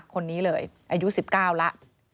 คนนี้เลยอายุ๑๙แล้ว